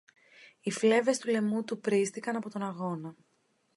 οι φλέβες του λαιμού του πρήστηκαν από τον αγώνα.